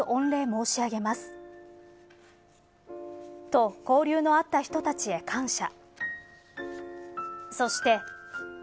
と、交流のあった人たちへ感謝。